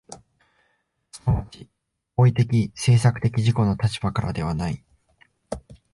即ち行為的・制作的自己の立場からではない。